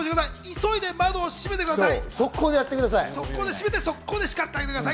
急いで窓を閉めてください。